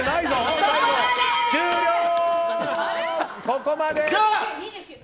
そこまで！